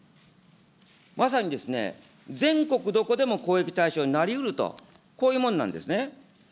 まさにですね、全国どこでも攻撃対象になりうると、こういうものなんですね。